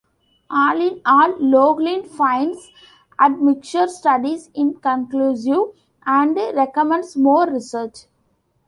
All in all Loehlin finds admixture studies inconclusive and recommends more research.